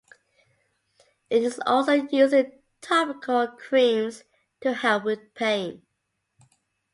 It is also used in topical creams to help with pain.